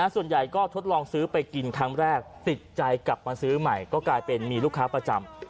ส่วนใหญ่ก็ทดลองซื้อไปกินครั้งแรกติดใจกลับมาซื้อใหม่ก็กลายเป็นมีลูกค้าประจำ